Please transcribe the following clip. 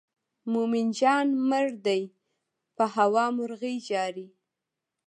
مومن جان مړ دی په هوا مرغۍ ژاړي.